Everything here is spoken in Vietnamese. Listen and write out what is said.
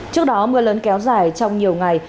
trước đó mưa lớn kéo dài trong nhiều ngày